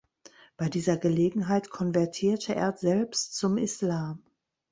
Bei dieser Gelegenheit konvertierte er selbst zum Islam.